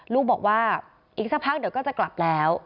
ลูกบอกว่าอีกสักพักเดี๋ยวก็จะกลับแล้ว